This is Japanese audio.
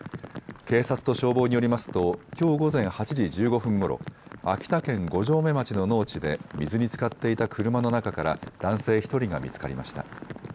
警察と消防によりますときょう午前８時１５分ごろ、秋田県五城目町の農地で水につかっていた車の中から男性１人が見つかりました。